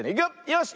よし。